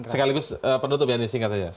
sekaligus pendutuk bnsi katanya